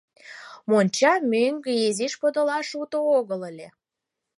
Монча мӧҥгӧ изиш подылаш уто огыл ыле».